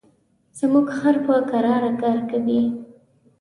زموږ خر په کراره کار کوي.